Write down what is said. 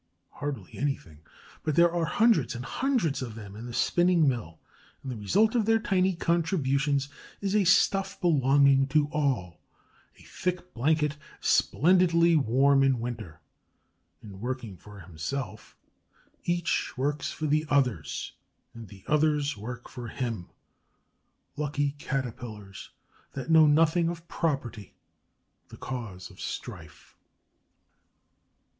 Hardly anything. But there are hundreds and hundreds of them in the spinning mill; and the result of their tiny contributions is a stuff belonging to all, a thick blanket splendidly warm in winter. In working for himself, each works for the others; and the others work for him. Lucky Caterpillars that know nothing of property, the cause of strife!